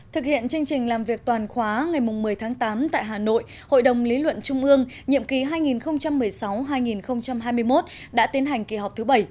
thực hiện chương trình làm việc toàn khóa ngày một mươi tháng tám tại hà nội hội đồng lý luận trung ương nhiệm ký hai nghìn một mươi sáu hai nghìn hai mươi một đã tiến hành kỳ họp thứ bảy